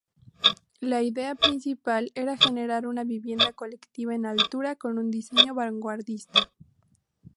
La idea principal era generar una vivienda colectiva en altura con un diseño vanguardista.